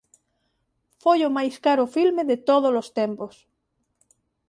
Foi o máis caro filme de tódolos tempos.